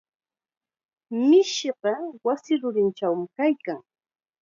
Mishiqa wasi rurinchawmi kaykan.